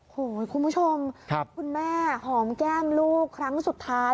โอ้โหคุณผู้ชมคุณแม่หอมแก้มลูกครั้งสุดท้าย